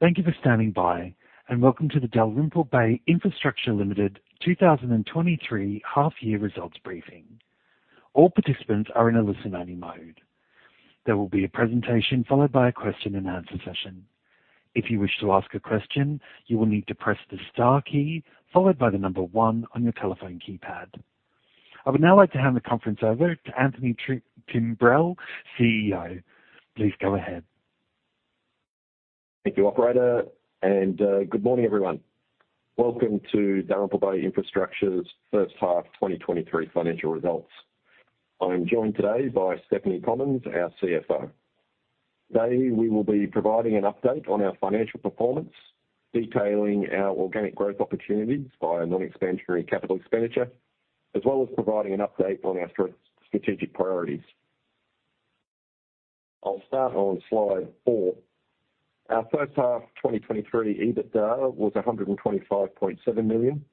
Thank you for standing by, and welcome to the Dalrymple Bay Infrastructure Limited 2023 half year results briefing. All participants are in a listening mode. There will be a presentation, followed by a question and answer session. If you wish to ask a question, you will need to press the star key followed by the number one on your telephone keypad. I would now like to hand the conference over to Anthony Timbrell, CEO. Please go ahead. Thank you, operator, and good morning, everyone. Welcome to Dalrymple Bay Infrastructure's first half 2023 financial results. I'm joined today by Stephanie Commons, our CFO. Today, we will be providing an update on our financial performance, detailing our organic growth opportunities via non-expansionary capital expenditure, as well as providing an update on our strategic priorities. I'll start on slide 4. Our first half 2023 EBITDA was 125.7 million,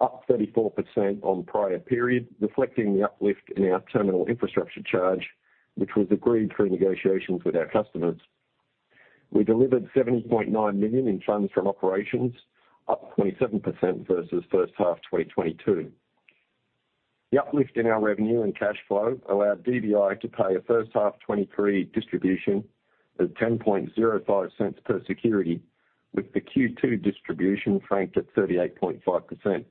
up 34% on the prior period, reflecting the uplift in our terminal infrastructure charge, which was agreed through negotiations with our customers. We delivered 70.9 million in Funds From Operations, up 27% versus first half 2022. The uplift in our revenue and cash flow allowed DBI to pay a first half 2023 distribution of 0.1005 per security, with the Q2 distribution franked at 38.5%.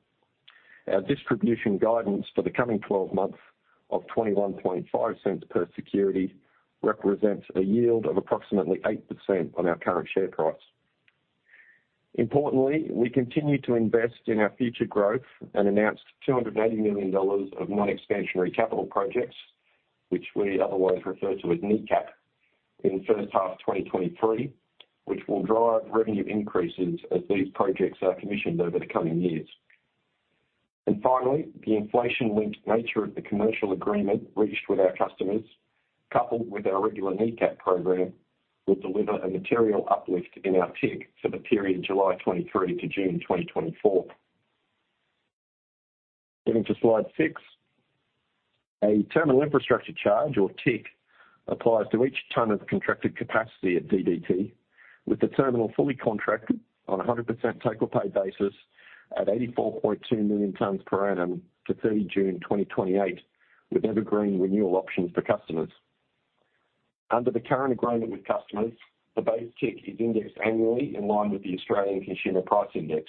Our distribution guidance for the coming 12 months of 0.215 per security represents a yield of approximately 8% on our current share price. Importantly, we continue to invest in our future growth and announced 280 million dollars of non-expansionary capital projects, which we otherwise refer to as NECAP, in the first half of 2023, which will drive revenue increases as these projects are commissioned over the coming years. And finally, the inflation-linked nature of the commercial agreement reached with our customers, coupled with our regular NECAP program, will deliver a material uplift in our TIC for the period July 2023 to June 2024. Moving to slide 6. A Terminal Infrastructure Charge, or TIC, applies to each ton of contracted capacity at DBT, with the terminal fully contracted on a 100% take-or-pay basis at 84.2 million tons per annum to 30 June 2028, with evergreen renewal options for customers. Under the current agreement with customers, the base TIC is indexed annually in line with the Australian Consumer Price Index.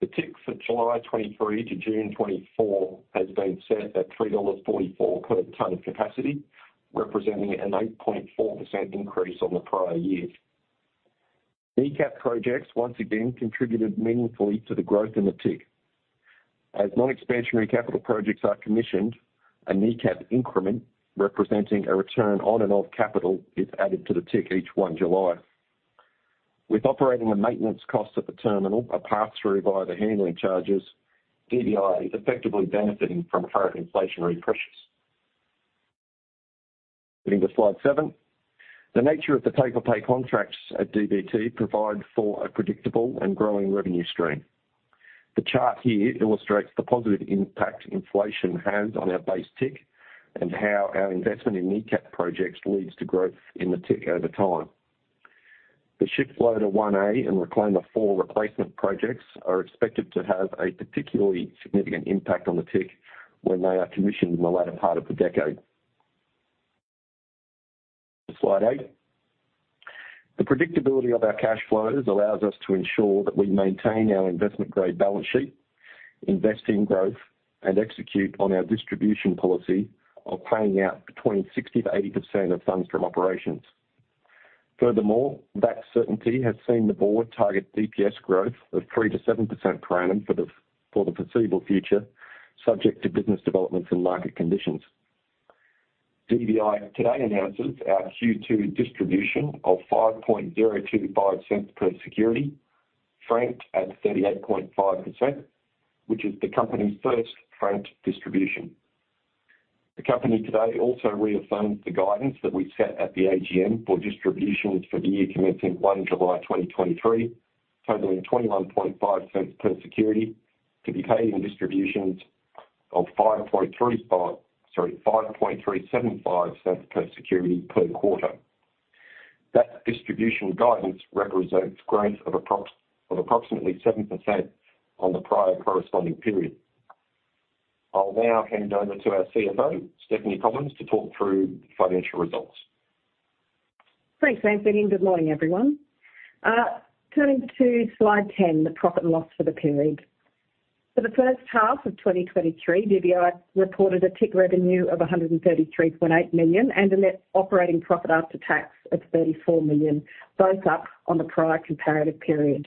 The TIC for July 2023 to June 2024 has been set at 3.44 dollars per ton of capacity, representing an 8.4% increase on the prior year. NECAP projects once again contributed meaningfully to the growth in the TIC. As non-expansionary capital projects are commissioned, a NECAP increment representing a return on and of capital is added to the TIC each 1 July. With operating and maintenance costs at the terminal, a pass-through via the handling charges, DBI is effectively benefiting from current inflationary pressures. Moving to Slide 7. The nature of the take-or-pay contracts at DBT provide for a predictable and growing revenue stream. The chart here illustrates the positive impact inflation has on our base TIC and how our investment in NECAP projects leads to growth in shiploader 1a and Reclaimer 4 replacement projects are expected to have a particularly significant impact on the TIC when they are commissioned in the latter part of the decade. Slide 8. The predictability of our cash flows allows us to ensure that we maintain our investment-grade balance sheet, invest in growth, and execute on our distribution policy of paying out between 60%-80% of Funds From Operations. Furthermore, that certainty has seen the Board target DPS growth of 3%-7% per annum for the foreseeable future, subject to business developments and market conditions. DBI today announces our Q2 distribution of 0.05025 per security, franked at 38.5%, which is the company's first franked distribution. The company today also reaffirms the guidance that we set at the AGM for distributions for the year commencing 1 July 2023, totaling 0.215 per security, to be paid in distributions of 0.05375 per security per quarter. That distribution guidance represents growth of approximately 7% on the prior corresponding period. I'll now hand over to our CFO, Stephanie Commons, to talk through the financial results. Thanks, Anthony. Good morning, everyone. Turning to slide 10, the profit and loss for the period. For the first half of 2023, DBI reported a TIC revenue of 133.8 million and a net operating profit after tax of 34 million, both up on the prior comparative period.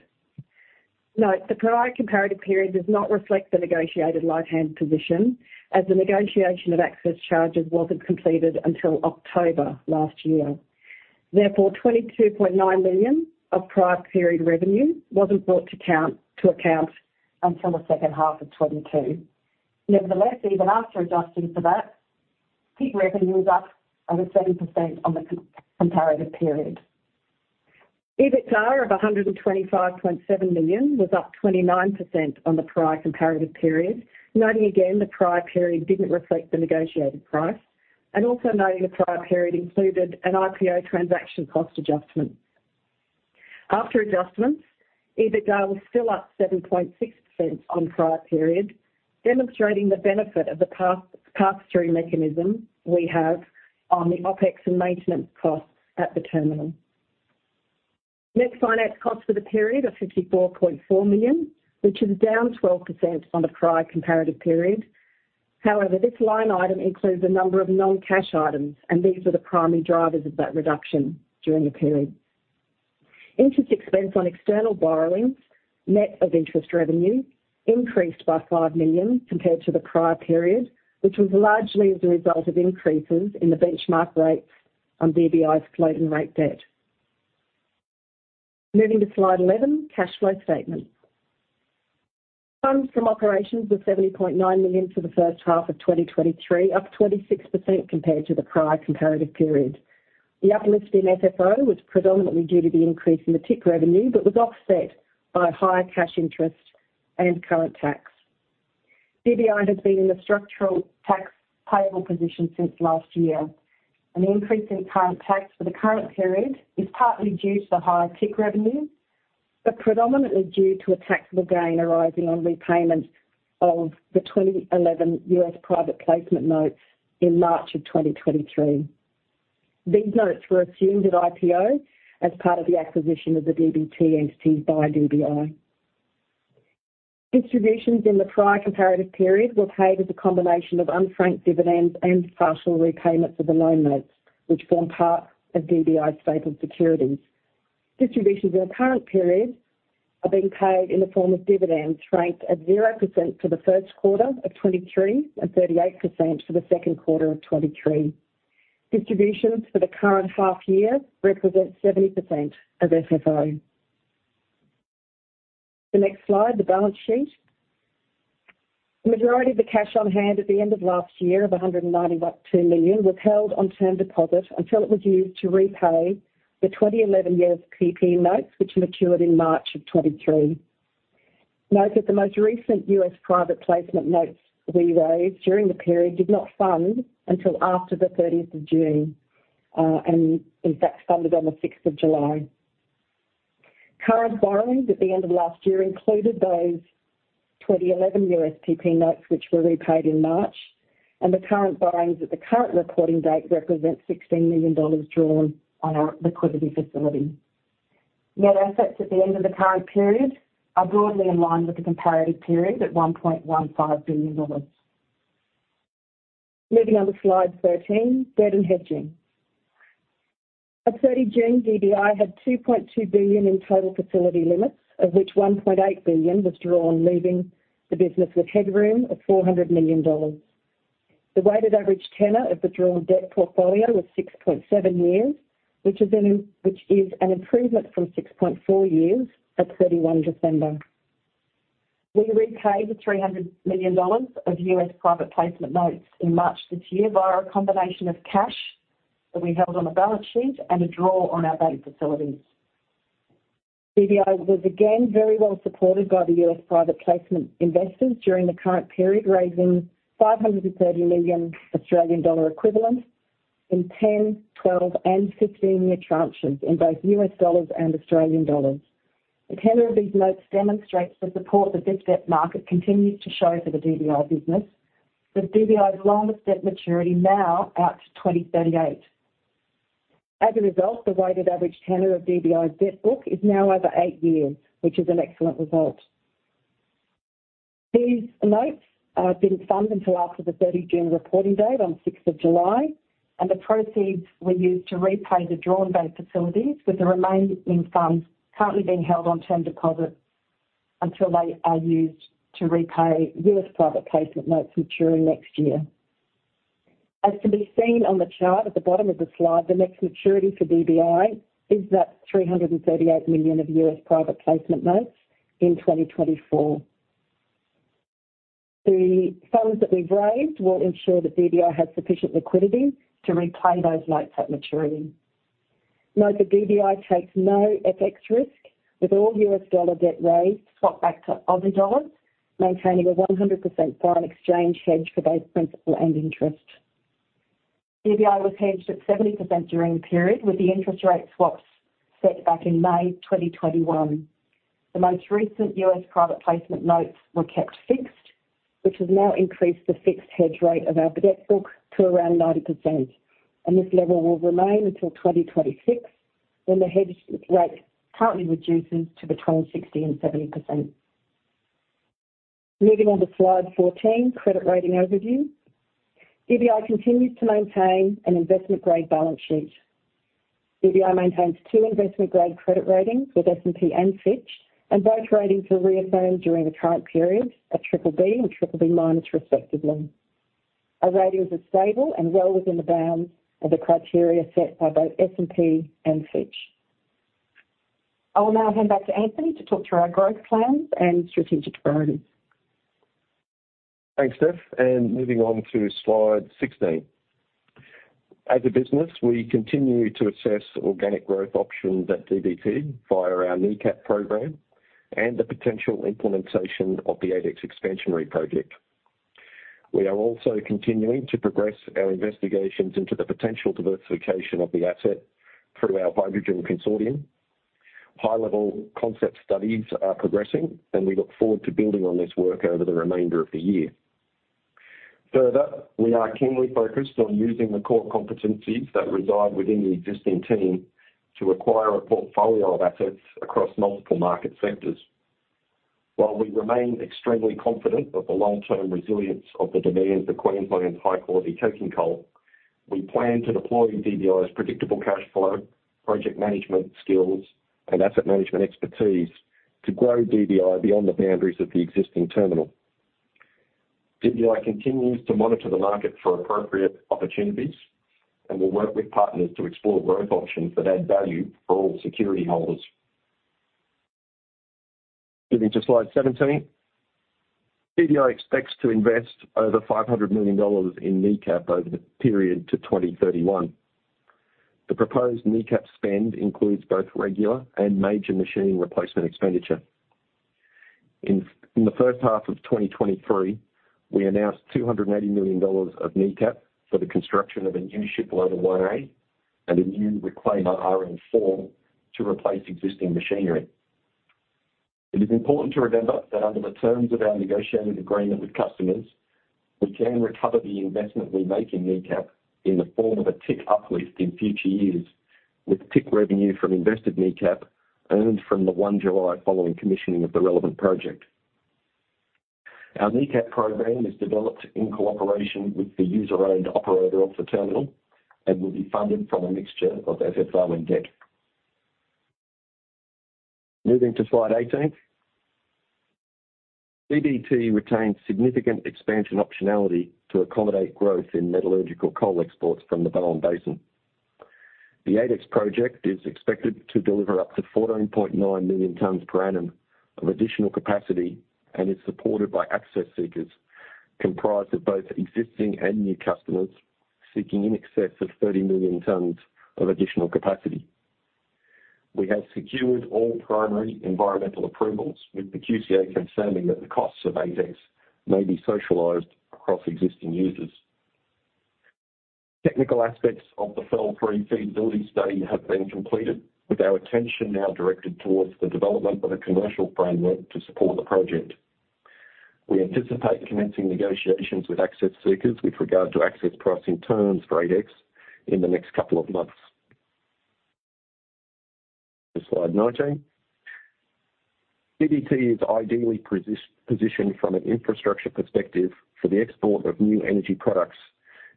Note, the prior comparative period does not reflect the negotiated light-handed position, as the negotiation of access charges wasn't completed until October last year. Therefore, 22.9 million of prior period revenue wasn't brought to account until the second half of 2022. Nevertheless, even after adjusting for that, TIC revenue was up over 30% on the comparative period. EBITDA of 125.7 million was up 29% on the prior comparative period, noting again, the prior period didn't reflect the negotiated price. Also noting the prior period included an IPO transaction cost adjustment. After adjustments, EBITDA was still up 7.6% on prior period, demonstrating the benefit of the cost pass-through mechanism we have on the OpEx and maintenance costs at the terminal. Net finance costs for the period are 54.4 million, which is down 12% on the prior comparative period. However, this line item includes a number of non-cash items, and these are the primary drivers of that reduction during the period. Interest expense on external borrowings, net of interest revenue, increased by 5 million compared to the prior period, which was largely as a result of increases in the benchmark rates on DBI's floating rate debt. Moving to slide 11, Cash Flow Statement. Funds From Operations were 70.9 million for the first half of 2023, up 26% compared to the prior comparative period. The uplift in FFO was predominantly due to the increase in the TIC revenue, but was offset by higher cash interest and current tax. DBI has been in a structural tax payable position since last year, and the increase in current tax for the current period is partly due to the higher TIC revenue, but predominantly due to a taxable gain arising on repayment of the 2011 U.S. Private Placement notes in March of 2023. These notes were assumed at IPO as part of the acquisition of the DBT entities by DBI. Distributions in the prior comparative period were paid as a combination of unfranked dividends and partial repayments of the loan notes, which form part of DBI's stapled securities. Distributions in the current period are being paid in the form of dividends, franked at 0% for the first quarter of 2023 and 38% for the second quarter of 2023. Distributions for the current half year represent 70% of FFO. The next slide, the balance sheet. The majority of the cash on hand at the end of last year, of AUD 192 million, was held on term deposit until it was used to repay the 2011 USPP notes, which matured in March of 2023. Note that the US Private Placement notes we raised during the period did not fund until after the thirtieth of June, and in fact funded on the sixth of July. Current borrowings at the end of last year included those 2011 USPP notes, which were repaid in March, and the current borrowings at the current reporting date represent 16 million dollars drawn on our liquidity facility. Net assets at the end of the current period are broadly in line with the comparative period at 1.15 billion dollars. Moving on to slide 13, Debt and Hedging. At 30 June, DBI had 2.2 billion in total facility limits, of which 1.8 billion was drawn, leaving the business with headroom of 400 million dollars. The weighted average tenor of the drawn debt portfolio was 6.7 years, which is an improvement from 6.4 years at 31 December. We repaid the $300 million of U.S. Private Placement notes in March this year via a combination of cash that we held on the balance sheet and a draw on our bank facilities. DBI was again very well supported by the U.S. Private Placement investors during the current period, raising 530 million Australian dollar equivalent in 10-, 12-, and 15-year tranches in both U.S. dollars and Australian dollars. The tenor of these notes demonstrates the support the debt market continues to show for the DBI business, with DBI's longest debt maturity now out to 2038. As a result, the weighted average tenor of DBI's debt book is now over 8 years, which is an excellent result. These notes have been funded until after the 30 June reporting date on the 6th of July, and the proceeds were used to repay the drawn bank facilities, with the remaining funds currently being held on term deposits until they are used US Private Placement notes maturing next year. As can be seen on the chart at the bottom of the slide, the next maturity for DBI is that $338 US Private Placement notes in 2024. The funds that we've raised will ensure that DBI has sufficient liquidity to repay those notes at maturity. Note that DBI takes no FX risk, with all US dollar debt raised swapped back to Aussie dollars, maintaining a 100% foreign exchange hedge for both principal and interest. DBI was hedged at 70% during the period, with the interest rate swaps set back in May 2021. The US Private Placement notes were kept fixed, which has now increased the fixed hedge rate of our debt book to around 90%, and this level will remain until 2026, when the hedge rate partly reduces to between 60%-70%. Moving on to slide 14, Credit Rating Overview. DBI continues to maintain an investment-grade balance sheet. DBI maintains two investment-grade credit ratings with S&P and Fitch, and both ratings were reaffirmed during the current period at BBB and BBB-, respectively. Our ratings are stable and well within the bounds of the criteria set by both S&P and Fitch. I will now hand back to Anthony to talk through our growth plans and strategic priorities. Thanks, Steph, and moving on to slide 16. As a business, we continue to assess organic growth options at DBT via our NECAP program and the potential implementation of the 8X expansionary project. We are also continuing to progress our investigations into the potential diversification of the asset through our hydrogen consortium. High-level concept studies are progressing, and we look forward to building on this work over the remainder of the year. Further, we are keenly focused on using the core competencies that reside within the existing team to acquire a portfolio of assets across multiple market sectors. While we remain extremely confident of the long-term resilience of the demand for Queensland's high-quality coking coal, we plan to deploy DBI's predictable cash flow, project management skills, and asset management expertise to grow DBI beyond the boundaries of the existing terminal. DBI continues to monitor the market for appropriate opportunities and will work with partners to explore growth options that add value for all security holders. Moving to slide 17. DBI expects to invest over 500 million dollars in NECAP over the period to 2031. The proposed NECAP spend includes both regular and major machinery replacement expenditure. In the first half of 2023, we announced 280 million dollars of NECAP for the shiploader 1a, and a Reclaimer 4 to replace existing machinery. It is important to remember that under the terms of our negotiated agreement with customers, we can recover the investment we make in NECAP in the form of a TIC uplift in future years, with TIC revenue from invested NECAP earned from 1 July following commissioning of the relevant project. Our NECAP program is developed in cooperation with the user-owned operator of the terminal and will be funded from a mixture of FFO and debt. Moving to slide 18. DBT retains significant expansion optionality to accommodate growth in metallurgical coal exports from the Bowen Basin. The 8X project is expected to deliver up to 14.9 million tons per annum of additional capacity and is supported by access seekers, comprised of both existing and new customers, seeking in excess of 30 million tons of additional capacity. We have secured all primary environmental approvals, with the QCA confirming that the costs of 8X may be socialized across existing users. Technical aspects of the phase 3 feasibility study have been completed, with our attention now directed towards the development of a commercial framework to support the project. We anticipate commencing negotiations with access seekers with regard to access pricing terms for 8X in the next couple of months. To slide 19. DBT is ideally positioned from an infrastructure perspective for the export of new energy products,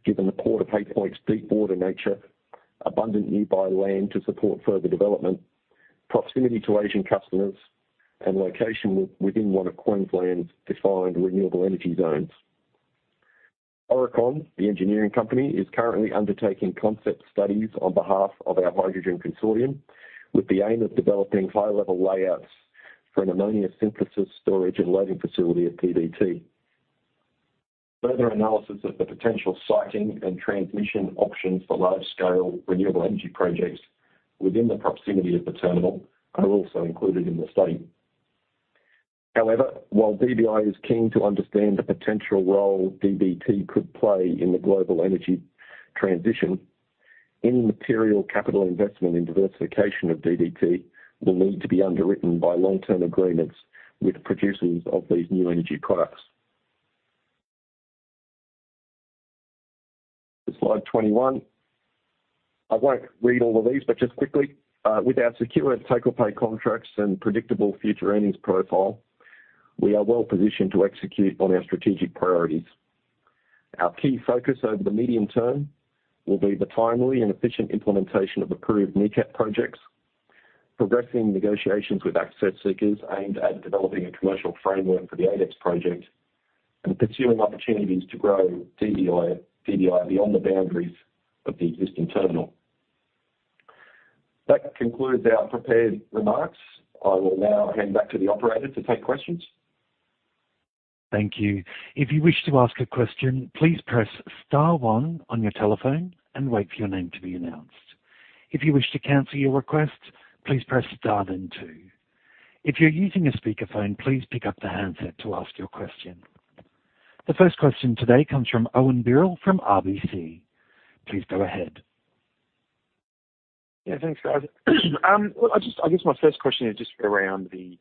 given the Port of Hay Point's deep water nature, abundant nearby land to support further development, proximity to Asian customers, and location within one of Queensland's defined renewable energy zones. Aurecon, the engineering company, is currently undertaking concept studies on behalf of our hydrogen consortium, with the aim of developing high-level layouts for an ammonia synthesis storage and loading facility at DBT. Further analysis of the potential siting and transmission options for large-scale renewable energy projects within the proximity of the terminal are also included in the study. However, while DBI is keen to understand the potential role DBT could play in the global energy transition, any material capital investment in diversification of DBT will need to be underwritten by long-term agreements with producers of these new energy products. To slide 21. I won't read all of these, but just quickly, with our secure take-or-pay contracts and predictable future earnings profile, we are well positioned to execute on our strategic priorities. Our key focus over the medium term will be the timely and efficient implementation of approved NECAP projects, progressing negotiations with access seekers aimed at developing a commercial framework for the 8X project, and pursuing opportunities to grow DBI, DBI beyond the boundaries of the existing terminal. That concludes our prepared remarks. I will now hand back to the operator to take questions. Thank you. If you wish to ask a question, please press star one on your telephone and wait for your name to be announced. If you wish to cancel your request, please press star then two. If you're using a speakerphone, please pick up the handset to ask your question. The first question today comes from Owen Birrell, from RBC. Please go ahead. Yeah, thanks, guys. Well, I just I guess my first question is just around the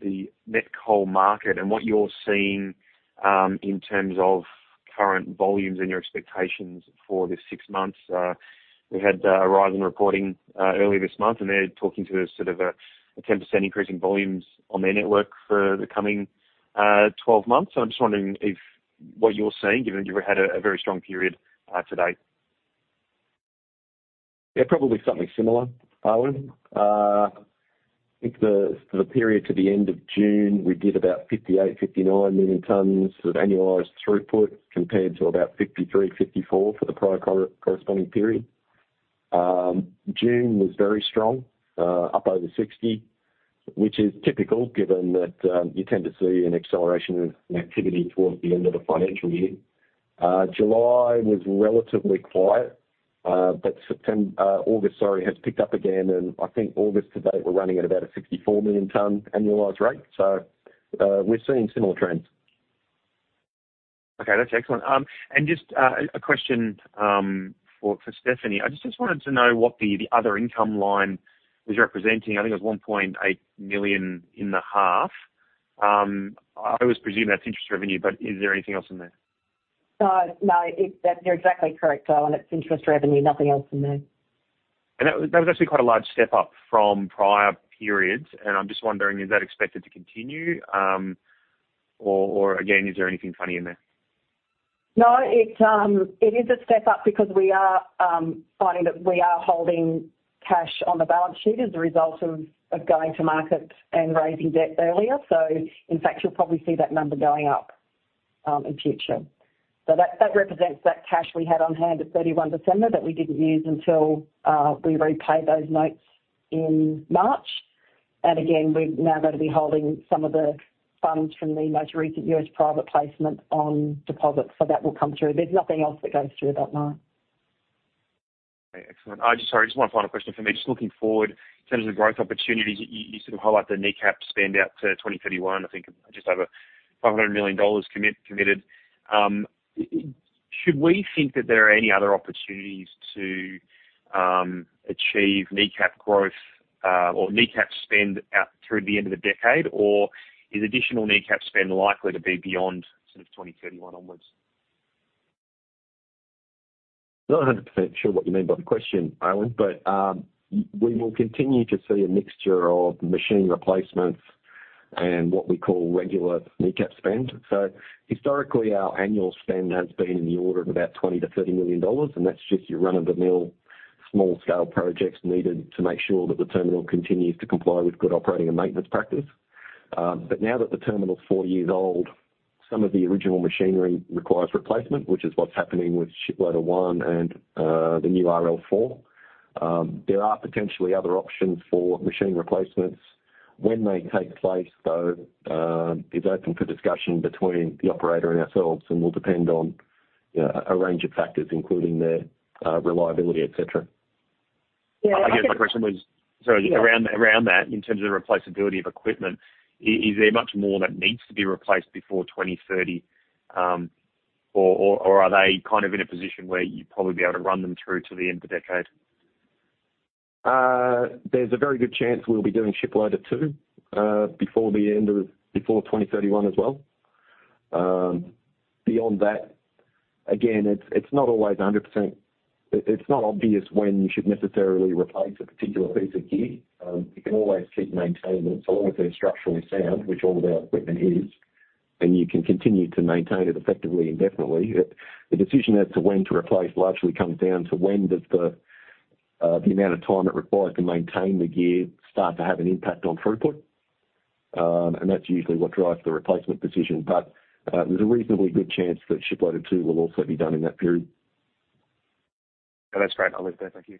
the met coal market and what you're seeing in terms of current volumes and your expectations for this 6 months. We had Aurizon reporting earlier this month, and they're talking to a sort of a 10% increase in volumes on their network for the coming 12 months. So I'm just wondering if what you're seeing, given you've had a very strong period to date. Yeah, probably something similar, Owen. I think the, for the period to the end of June, we did about 58-59 million tons of annualized throughput, compared to about 53-54 for the prior corresponding period. June was very strong, up over 60, which is typical given that you tend to see an acceleration in activity towards the end of the financial year. July was relatively quiet, but August, sorry, has picked up again, and I think August to date, we're running at about a 64 million ton annualized rate. So, we're seeing similar trends. Okay, that's excellent. Just a question for Stephanie. I just wanted to know what the other income line is representing. I think it was 1.8 million in the half. I always presume that's interest revenue, but is there anything else in there? No, no, you're exactly correct, Owen. It's interest revenue, nothing else in there. That was, that was actually quite a large step up from prior periods, and I'm just wondering, is that expected to continue, or again, is there anything funny in there? No, it, it is a step up because we are finding that we are holding cash on the balance sheet as a result of, of going to market and raising debt earlier. So in fact, you'll probably see that number going up, in future. So that, that represents that cash we had on hand at 31 December that we didn't use until we repaid those notes in March. And again, we're now going to be holding some of the funds from the most recent U.S. Private Placement on deposit, so that will come through. There's nothing else that goes through that line. Excellent. Sorry, just one final question for me. Just looking forward in terms of the growth opportunities, you sort of highlight the NECAP spend out to 2031, I think, just over 500 million dollars committed. Should we think that there are any other opportunities to achieve NECAP growth or NECAP spend out through the end of the decade? Or is additional NECAP spend likely to be beyond sort of 2031 onwards? Not 100% sure what you mean by the question, Owen, but we will continue to see a mixture of machine replacements and what we call regular NECAP spend. So historically, our annual spend has been in the order of about 20 million-30 million dollars, and that's just your run-of-the-mill, small-scale projects needed to make sure that the terminal continues to comply with good operating and maintenance practice. But now that the terminal is 4 years old, some of the original machinery requires replacement, which is what's happening with Shiploader 1 and the new RL4. There are potentially other options for machine replacements. When they take place, though, is open for discussion between the operator and ourselves and will depend on, you know, a range of factors, including their reliability, et cetera. Yeah, I think I guess my question was. Sorry, around that, in terms of the replaceability of equipment, is there much more that needs to be replaced before 2030, or are they kind of in a position where you'd probably be able to run them through to the end of the decade? There's a very good chance we'll be doing Shiploader 2 before 2031 as well. Beyond that, again, it's not always 100%. It's not obvious when you should necessarily replace a particular piece of gear. You can always keep maintaining it. So long as they're structurally sound, which all of our equipment is, then you can continue to maintain it effectively, indefinitely. But the decision as to when to replace largely comes down to when does the amount of time it requires to maintain the gear start to have an impact on throughput? And that's usually what drives the replacement decision. But there's a reasonably good chance that Shiploader 2 will also be done in that period. That's great. I'll leave it there. Thank you.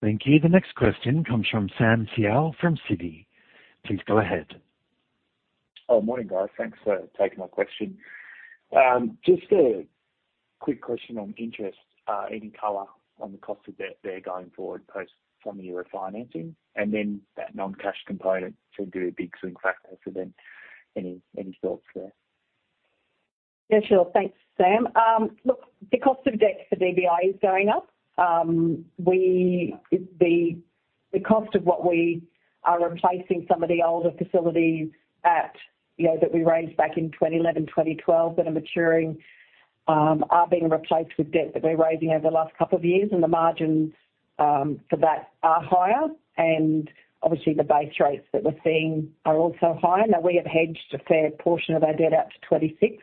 Thank you. The next question comes from Sam Seow, from Citi. Please go ahead. Oh, morning, guys. Thanks for taking my question. Just a quick question on interest. Any color on the cost of debt there going forward, post from the year of financing, and then that non-cash component should be a big swing factor for them. Any thoughts there? Yeah, sure. Thanks, Sam. Look, the cost of debt for DBI is going up. The cost of what we are replacing some of the older facilities at, you know, that we raised back in 2011, 2012, that are maturing, are being replaced with debt that we're raising over the last couple of years, and the margins for that are higher. And obviously, the base rates that we're seeing are also higher. Now, we have hedged a fair portion of our debt out to 2026,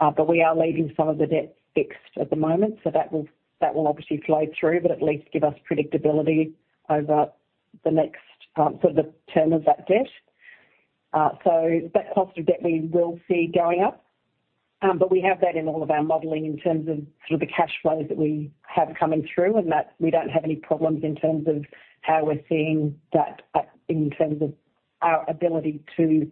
but we are leaving some of the debt fixed at the moment, so that will obviously flow through, but at least give us predictability over the next, for the term of that debt. So that cost of debt we will see going up, but we have that in all of our modeling in terms of sort of the cash flows that we have coming through, and that we don't have any problems in terms of how we're seeing that, in terms of our ability to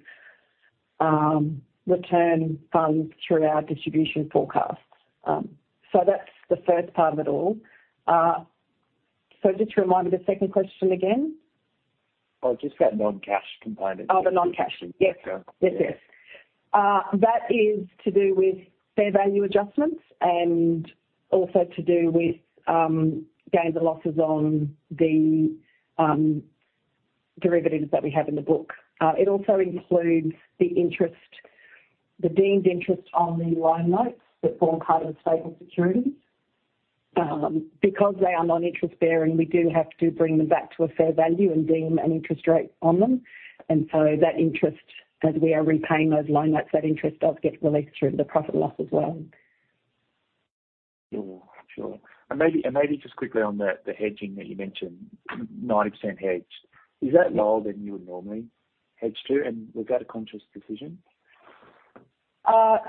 return funds through our distribution forecasts. So that's the first part of it all. So just remind me the second question again? Oh, just that non-cash component. Oh, the non-cash. Yeah. Yes. Yes. That is to do with fair value adjustments and also to do with, gains and losses on the, derivatives that we have in the book. It also includes the interest, the deemed interest on the loan notes that form part of the stapled securities. Because they are non-interest bearing, we do have to bring them back to a fair value and deem an interest rate on them. And so that interest, as we are repaying those loan notes, that interest does get released through the profit loss as well. Sure. Sure. And maybe, and maybe just quickly on the, the hedging that you mentioned, 90% hedged. Is that lower than you would normally hedge to, and was that a conscious decision?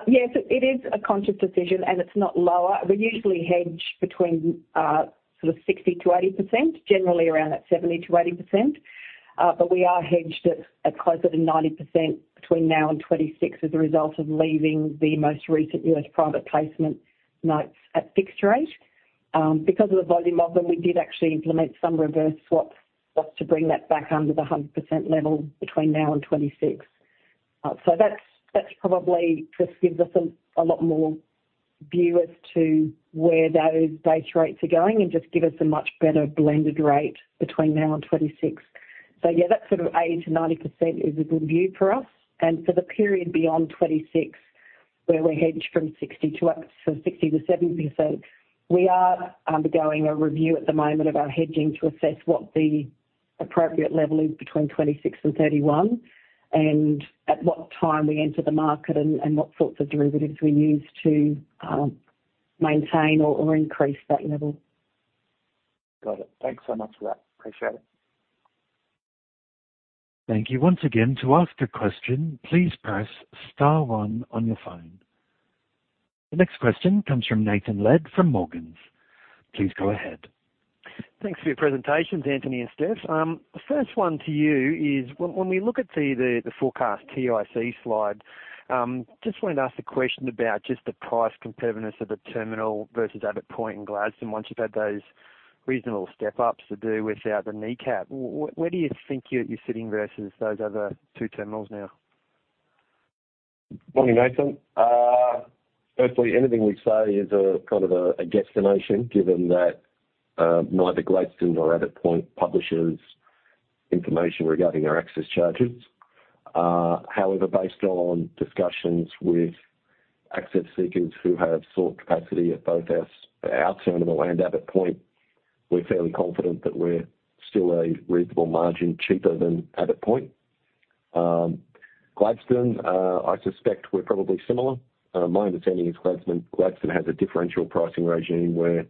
Yes, it is a conscious decision, and it's not lower. We usually hedge between sort of 60%-80%, generally around that 70%-80%. But we are hedged at closer to 90% between now and 2026 as a result of leaving the most recent U.S. Private Placement notes at fixed rate. Because of the volume of them, we did actually implement some reverse swaps, swaps to bring that back under the 100% level between now and 2026. So that's probably just gives us a lot more view as to where those base rates are going and just give us a much better blended rate between now and 2026. So yeah, that sort of 80%-90% is a good view for us. For the period beyond 2026, where we hedge from 60%-70%, we are undergoing a review at the moment of our hedging to assess what the appropriate level is between 2026 and 2031, and at what time we enter the market and what sorts of derivatives we use to maintain or increase that level. Got it. Thanks so much for that. Appreciate it. Thank you once again. To ask a question, please press Star One on your phone. The next question comes from Nathan Lead from Morgans. Please go ahead. Thanks for your presentations, Anthony and Steph. The first one to you is when we look at the forecast TIC slide, just wanted to ask a question about just the price competitiveness of the terminal versus Abbot Point and Gladstone. Once you've had those reasonable step-ups to do without the NECAP, where do you think you're sitting versus those other two terminals now? Morning, Nathan. Firstly, anything we say is a kind of guesstimation, given that neither Gladstone nor Abbot Point publishes information regarding our access charges. However, based on discussions with access seekers who have sought capacity at both our terminal and Abbot Point, we're fairly confident that we're still a reasonable margin cheaper than Abbot Point. Gladstone, I suspect we're probably similar. My understanding is Gladstone has a differential pricing regime where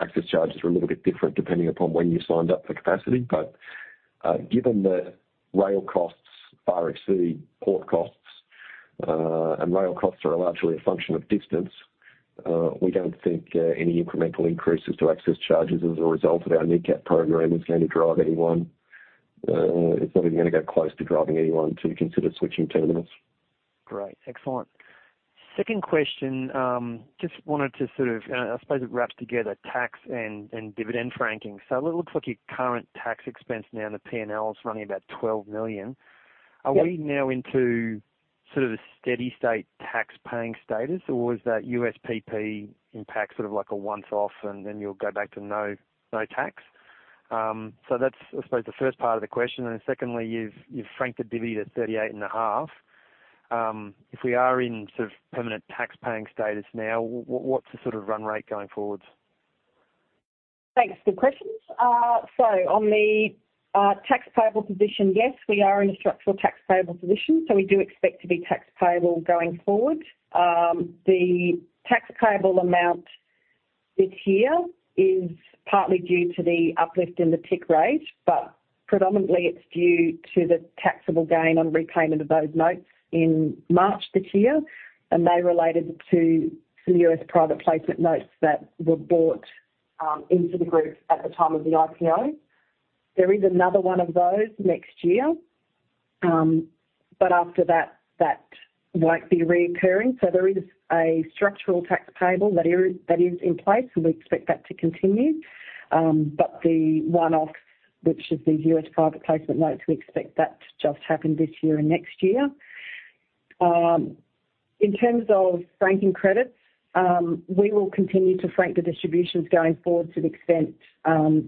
access charges are a little bit different depending upon when you signed up for capacity. But given that rail costs far exceed port costs, and rail costs are largely a function of distance, we don't think any incremental increases to access charges as a result of our NECAP program is going to drive anyone... It's not even going to get close to driving anyone to consider switching terminals. Great, excellent. Second question, just wanted to sort of, I suppose it wraps together tax and, and dividend franking. So it looks like your current tax expense now in the PNL is running about 12 million. Are we now into sort of a steady state tax paying status, or is that USPP impact sort of like a once off, and then you'll go back to no, no tax? So that's, I suppose, the first part of the question. And then secondly, you've, you've franked the dividend at 38.5%. If we are in sort of permanent tax paying status now, what's the sort of run rate going forward? Thanks, good questions. So on the tax payable position, yes, we are in a structural tax payable position, so we do expect to be tax payable going forward. The tax payable amount this year is partly due to the uplift in the TIC rate, but predominantly it's due to the taxable gain on repayment of those notes in March this year, and they related US Private Placement notes that were brought into the group at the time of the IPO. There is another one of those next year, but after that, that won't be recurring. So there is a structural tax payable that is in place, and we expect that to continue. But the one-off, which US Private Placement notes, we expect that to just happen this year and next year. In terms of franking credits, we will continue to frank the distributions going forward to the extent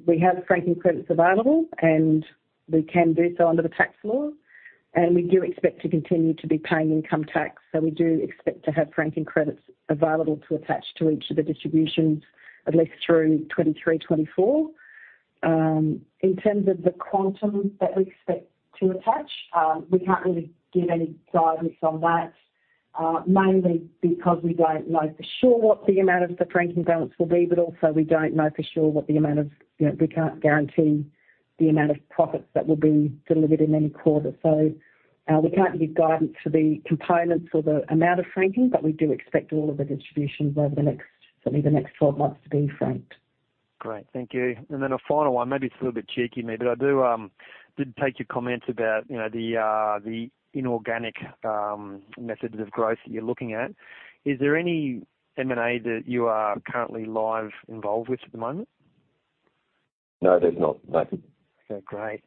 we have franking credits available, and we can do so under the tax law, and we do expect to continue to be paying income tax. So we do expect to have franking credits available to attach to each of the distributions at least through 2023, 2024. In terms of the quantum that we expect to attach, we can't really give any guidance on that, mainly because we don't know for sure what the amount of the franking balance will be, but also we don't know for sure what the amount of, you know, we can't guarantee the amount of profits that will be delivered in any quarter. We can't give guidance for the components or the amount of franking, but we do expect all of the distributions over the next, certainly the next 12 months, to be franked. Great, thank you. Then a final one, maybe it's a little bit cheeky, maybe, but I did take your comments about, you know, the inorganic methods of growth that you're looking at. Is there any M&A that you are currently live involved with at the moment? No, there's not, Nathan. Okay, great.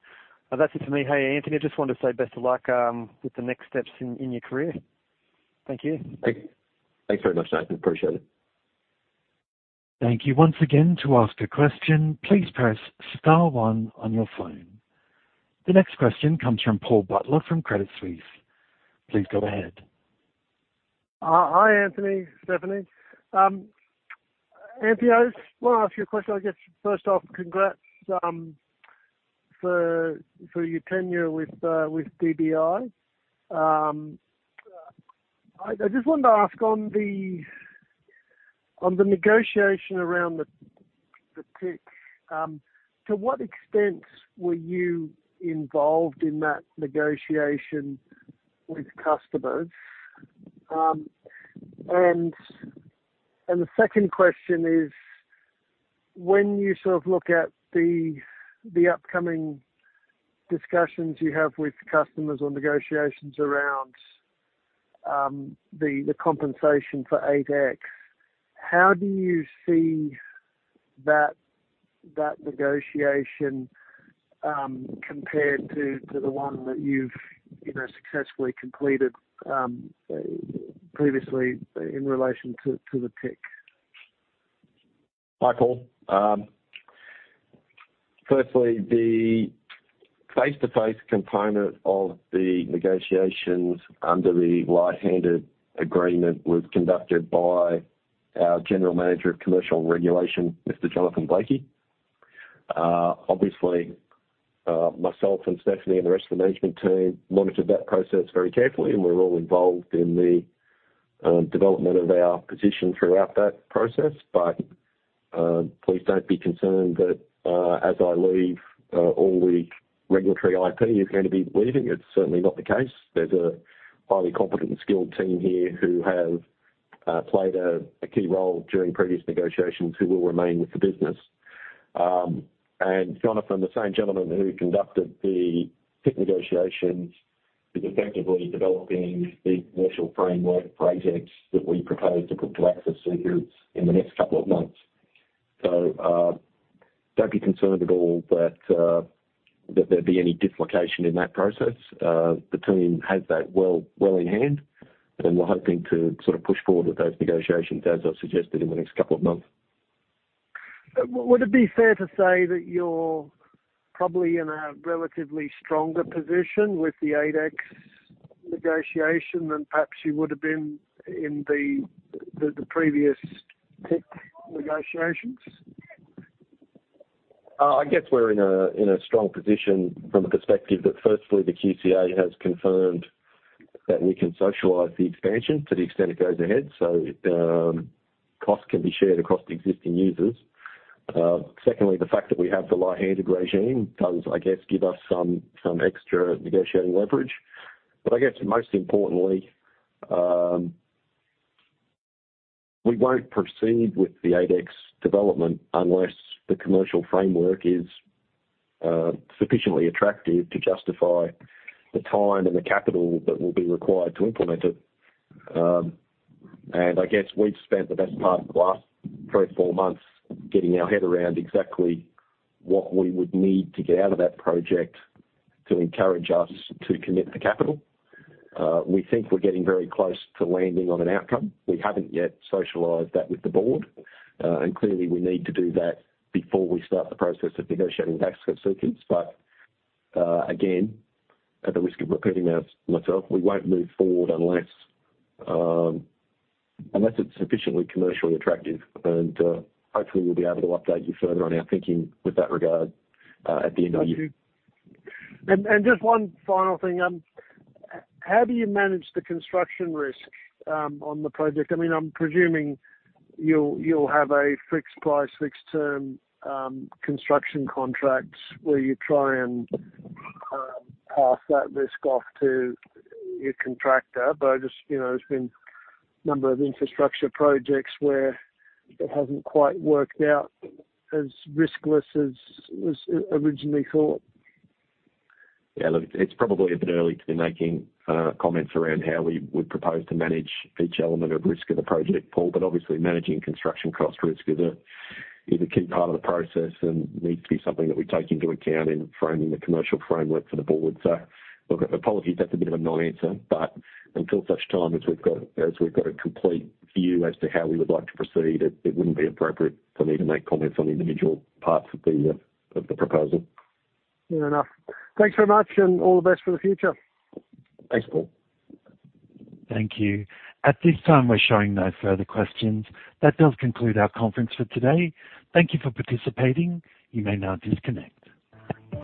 Well, that's it for me. Hey, Anthony, I just wanted to say best of luck with the next steps in your career. Thank you. Thanks very much, Nathan. Appreciate it. Thank you once again. To ask a question, please press Star One on your phone. The next question comes from Paul Butler from Credit Suisse. Please go ahead. Hi, Anthony, Stephanie. Anthony, I just want to ask you a question. I guess first off, congrats for your tenure with DBI. I just wanted to ask on the On the negotiation around the TIC, to what extent were you involved in that negotiation with customers? And the second question is: when you sort of look at the upcoming discussions you have with customers on negotiations around the compensation for 8X, how do you see that negotiation compared to the one that you've, you know, successfully completed previously in relation to the TIC? Hi, Paul. Firstly, the face-to-face component of the negotiations under the light-handed agreement was conducted by our General Manager of Commercial Regulation, Mr. Jonathan Blakey. Obviously, myself and Stephanie and the rest of the management team monitored that process very carefully, and we're all involved in the development of our position throughout that process. But please don't be concerned that as I leave all the regulatory IP is going to be leaving. It's certainly not the case. There's a highly competent and skilled team here who have played a key role during previous negotiations, who will remain with the business. And Jonathan, the same gentleman who conducted the TIC negotiations, is effectively developing the commercial framework for 8X that we propose to put to access in the next couple of months. So, don't be concerned at all that there'd be any dislocation in that process. The team has that well in hand, and we're hoping to sort of push forward with those negotiations, as I've suggested, in the next couple of months. Would it be fair to say that you're probably in a relatively stronger position with the 8X negotiation than perhaps you would have been in the previous TIC negotiations? I guess we're in a strong position from the perspective that, firstly, the QCA has confirmed that we can socialize the expansion to the extent it goes ahead, so costs can be shared across the existing users. Secondly, the fact that we have the light-handed regime does, I guess, give us some extra negotiating leverage. But I guess most importantly, we won't proceed with the 8X development unless the commercial framework is sufficiently attractive to justify the time and the capital that will be required to implement it. And I guess we've spent the best part of the last 3-4 months getting our head around exactly what we would need to get out of that project to encourage us to commit the capital. We think we're getting very close to landing on an outcome. We haven't yet socialized that with the Board, and clearly we need to do that before we start the process of negotiating access seekers. But, again, at the risk of repeating myself, we won't move forward unless, unless it's sufficiently commercially attractive, and, hopefully, we'll be able to update you further on our thinking with that regard, at the end of the year. And just one final thing. How do you manage the construction risk on the project? I mean, I'm presuming you'll have a fixed price, fixed term construction contract where you try and pass that risk off to your contractor. But I just, you know, there's been a number of infrastructure projects where it hasn't quite worked out as riskless as was originally thought. Yeah, look, it's probably a bit early to be making comments around how we would propose to manage each element of risk of the project, Paul, but obviously managing construction cost risk is a key part of the process and needs to be something that we take into account in framing the commercial framework for the Board. So look, apologies, that's a bit of a non-answer, but until such time as we've got a complete view as to how we would like to proceed, it wouldn't be appropriate for me to make comments on the individual parts of the proposal. Fair enough. Thanks very much, and all the best for the future. Thanks, Paul. Thank you. At this time, we're showing no further questions. That does conclude our conference for today. Thank you for participating. You may now disconnect.